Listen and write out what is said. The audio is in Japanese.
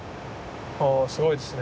あすごいですね。